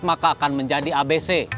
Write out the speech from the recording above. maka akan menjadi abc